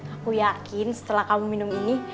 aku yakin setelah kamu minum ini